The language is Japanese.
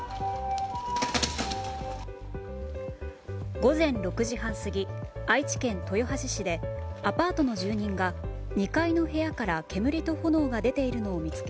午前６時半過ぎ、愛知県豊橋市でアパートの住人が２階の部屋から煙と炎が出ているのを見つけ